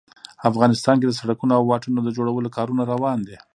افغانستان کې د سړکونو او واټونو د جوړولو کارونه روان دي